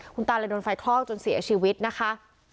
คุณตาเลยโดนไฟคลอกจนเสียชีวิตนะคะ